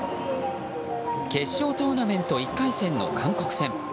決勝トーナメント１回戦の韓国戦。